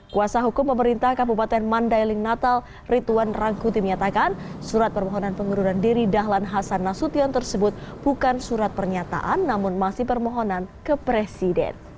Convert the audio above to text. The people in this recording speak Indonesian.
kuasa hukum pemerintah kabupaten mandailing natal rituan rangkuti menyatakan surat permohonan pengunduran diri dahlan hasan nasution tersebut bukan surat pernyataan namun masih permohonan ke presiden